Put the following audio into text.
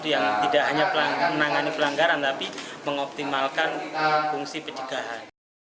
yang tidak hanya menangani pelanggaran tapi mengoptimalkan fungsi pencegahan